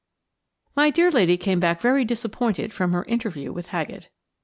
3 MY dear lady came back very disappointed from her interview with Haggett.